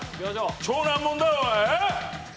超難問だおいえっ。